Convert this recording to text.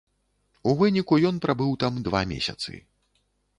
У выніку ён прабыў там два месяцы.